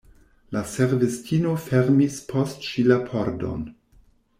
La servistino fermis post ŝi la pordon.